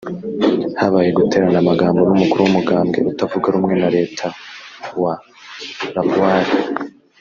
Habaye uguterana amajambo n'umukuru w'umugambwe utavuga rumwe na reta wa Labour